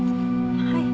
はい。